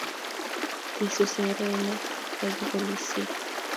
Kisus erene ya kibolisie.